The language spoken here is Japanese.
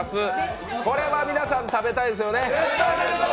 これは皆さん食べたいですよね？